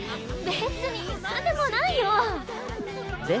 別になんでもないよ。で？